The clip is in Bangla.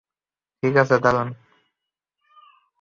ঠিক আছে, দারুণ।